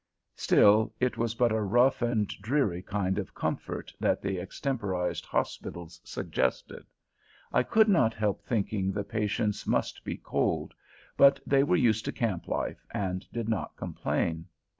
Still, it was but a rough and dreary kind of comfort that the extemporized hospitals suggested. I could not help thinking the patients must be cold; but they were used to camp life, and did not complain.